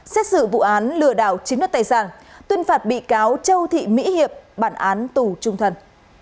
xét xử vụ án lừa đảo chiếm đất tài sản tuyên phạt bị cáo châu thị mỹ hiệp bản án tù trung thân